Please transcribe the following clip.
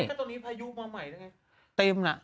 ก็ตอนนี้พายูมาใหม่นั่นไง